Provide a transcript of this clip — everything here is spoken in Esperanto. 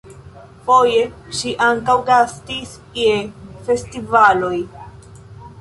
Foje ŝi ankaŭ gastis je festivaloj.